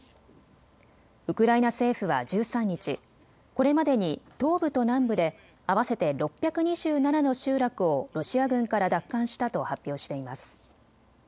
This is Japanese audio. ウクライナ政府は１３日、これまでに東部と南部で合わせて６２７の集落をロシア軍から奪還したと発表しています。